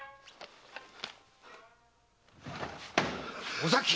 尾崎！